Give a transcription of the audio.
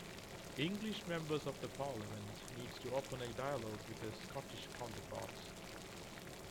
English Members of Parliament need to open a dialogue with their Scottish counterparts.